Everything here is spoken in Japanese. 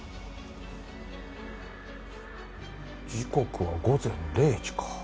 時刻は午前０時か。